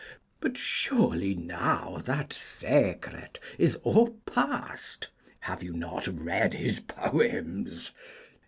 But surely now that secret is o'er past. Have you not read his poems?